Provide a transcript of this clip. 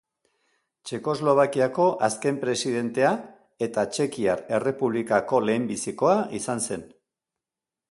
Txekoslovakiako azken presidentea eta Txekiar Errepublikako lehenbizikoa izan zen.